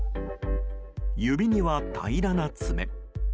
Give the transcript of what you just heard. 指には平らな爪。